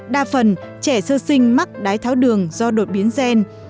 đa phần trẻ sơ sinh mắc đái tháo đường do đột biến gen